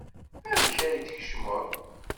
Amek ay d-tkecmeḍ?